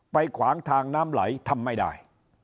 ขวางทางน้ำไหลทำไม่ได้